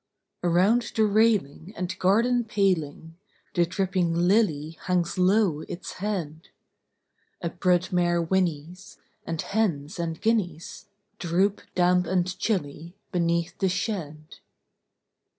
Around the railing and garden paling The dripping lily hangs low its head: A brood mare whinnies; and hens and guineas Droop, damp and chilly, beneath the shed.